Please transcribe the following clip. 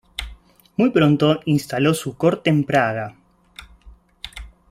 Muy pronto instaló su corte en Praga.